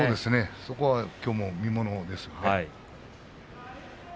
そこもきょうの見ものですね。